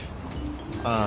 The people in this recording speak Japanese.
ああ。